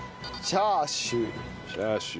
チャーシュー。